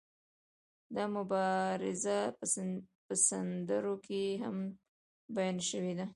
دا مبارزه په سندرو کې هم بیان شوې ده.